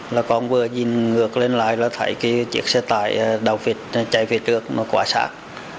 là con vừa nhìn ngược lên lại là thấy chiếc xe tải đào vịt chạy phía trước nó quả sát